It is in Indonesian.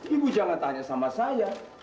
ibu jangan tanya sama saya